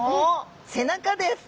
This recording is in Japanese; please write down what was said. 背中です！